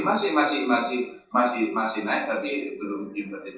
masih naik tapi belum